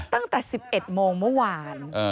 ตั้งแต่๑๑โมงเมื่อวาน